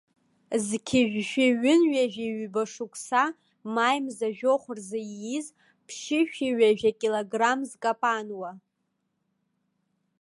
Зқьи жәшәи ҩынҩажәи ҩба шықәса, маи мза жәохә рзы ииз, ԥшьышәи ҩажәа килограмм зкапануа.